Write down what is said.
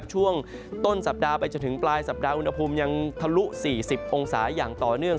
ช่วงต้นสัปดาห์ไปจนถึงปลายสัปดาห์อุณหภูมิยังทะลุ๔๐องศาอย่างต่อเนื่อง